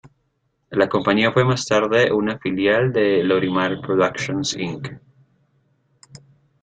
La compañía fue más tarde una filial de Lorimar Productions Inc.